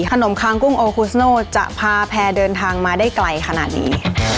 คางคางกุ้งโอคุสโนจะพาแพร่เดินทางมาได้ไกลขนาดนี้